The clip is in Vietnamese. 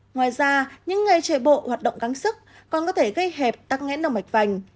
ngoài ra những người chạy bộ hoạt động gắng sức còn có thể gây hẹp tắc nghẽn đầu mạch vành